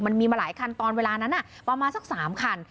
มันมีมาหลายคันตอนเวลานั้นประมาณสัก๓คัน